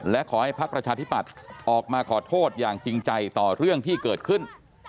และขอให้ภักดิ์ประชาธิปัตย์ออกมาขอโทษอย่างจริงใจต่อเรื่องที่เกิดขึ้น